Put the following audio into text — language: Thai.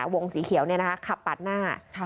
วงสีเขียวขับปาดหน้า